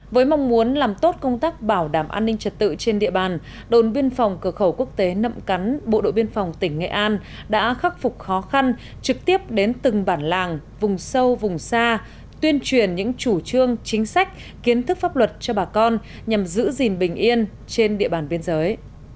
với mong muốn làm tốt công tác bảo đảm an ninh trật tự trên địa bàn đồn biên phòng cửa khẩu quốc tế nậm cắn bộ đội biên phòng tỉnh nghệ an đã khắc phục khó khăn trực tiếp đến từng bản làng vùng sâu vùng xa tuyên truyền những chủ trương chính sách kiến thức pháp luật cho bà con nhằm giữ gìn bình yên trên địa bàn biên giới